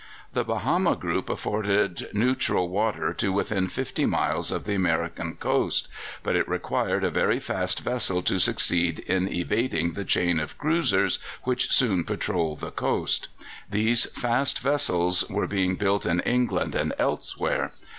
The Bahama group afforded neutral water to within fifty miles of the American coast, but it required a very fast vessel to succeed in evading the chain of cruisers which soon patrolled the coast. These fast vessels were being built in England and elsewhere.